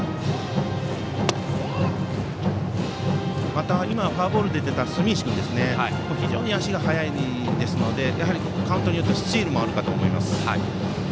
また、今フォアボールで出た住石君も非常に足が速いですのでカウントによってはスチールもあるかと思います。